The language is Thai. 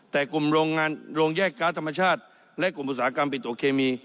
แต่กลุ่มโรงงานโรงแยกการ์ดธรรมชาติและกลุ่มอุตสาหกรรมปิดตัวเคมี